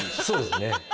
そうですね。